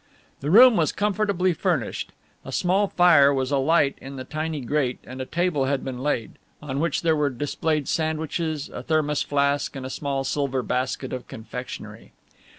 The room was comfortably furnished. A small fire was alight in the tiny grate and a table had been laid, on which were displayed sandwiches, a thermos flask and a small silver basket of confectionery.